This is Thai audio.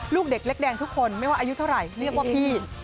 ลูกเด็กเล็กแดงทุกคนไม่ว่าอายุเท่าไหร่เรียกว่าพี่